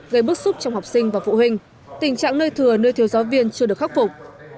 gây bức xúc trong học sinh và phụ huynh tình trạng nơi thừa nơi thiếu giáo viên chưa được khắc phục